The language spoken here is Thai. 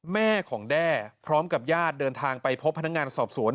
แม่ของแด้พร้อมกับญาติเดินทางไปพบพนักงานสอบสวน